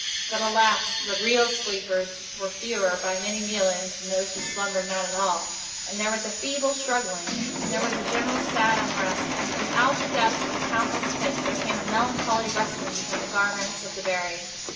But alas! the real sleepers were fewer, by many millions, than those who slumbered not at all; and there was a feeble struggling; and there was a general sad unrest; and from out the depths of the countless pits there came a melancholy rustling from the garments of the buried.